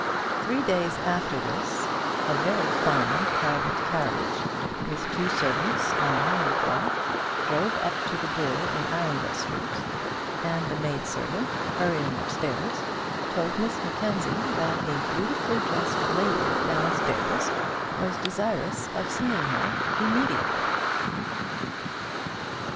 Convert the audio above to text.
Three days after this, a very fine, private carriage, with two servants on a hammer cloth, drove up to the door in Arundel Street, and the maid servant, hurrying upstairs, told Miss Mackenzie that a beautifully dressed lady downstairs was desirous of seeing her immediately.